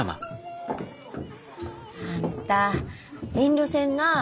あんた遠慮せんなあ。